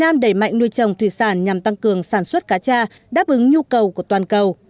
mạnh nuôi trồng thủy sản nhằm tăng cường sản xuất cá cha đáp ứng nhu cầu của toàn cầu